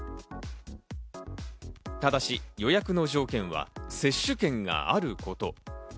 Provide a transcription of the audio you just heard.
ただし予約の条件は接種券があること。